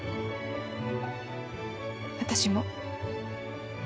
私も。